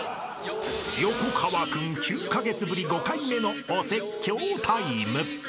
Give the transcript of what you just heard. ［横川君９カ月ぶり５回目のお説教タイム］